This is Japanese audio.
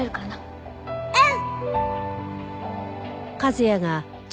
うん！